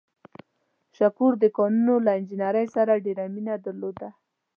شکور د کانونو له انجنیرۍ سره ډېره مینه درلوده.